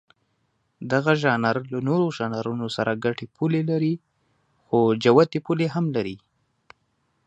دغه ژانر له نورو ژانرونو سره ګډې پولې لري، خو جوتې پولې هم لري.